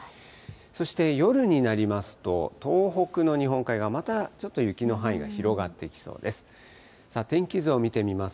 そして夜になりますと、東北の日本海側、またちょっと雪の範囲が広がってきそうです。